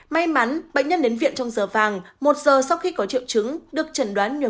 may mắn bệnh nhân đến viện trong giờ vàng một giờ sau khi có triệu chứng được chẩn đoán nhầm